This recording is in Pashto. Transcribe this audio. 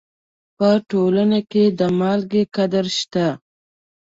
په ټولنه کې د مالګې قدر شته.